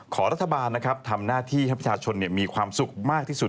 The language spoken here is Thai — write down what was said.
ขอรัฐบาลนะครับทำหน้าที่ให้ประชาชนมีความสุขมากที่สุด